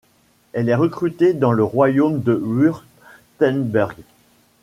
Elle est recrutée dans le royaume de Wurtemberg.